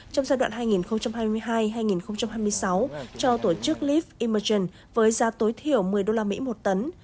trong giai đoạn hai nghìn hai mươi hai hai nghìn hai mươi sáu cho tổ chức leaf imogen với giá tối thiểu một mươi usd một tấn